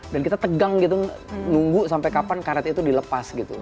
dan kita tegang gitu nunggu sampai kapan karet itu dilepas gitu